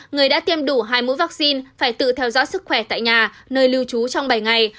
người đã tiêm đủ hai mũi vaccine phải tự theo dõi sức khỏe tại nhà nơi lưu trú trong bảy ngày